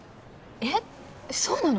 えっそうなの？